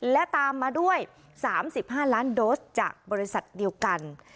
และตามมาด้วย๓๕ล้านโดสจากบริษัทเดียวกัน